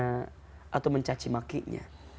menghina atau mencacimakinya